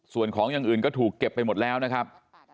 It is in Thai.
ส่วนของอย่างอื่นก็ถูกเก็บไปหมดแล้วนะครับ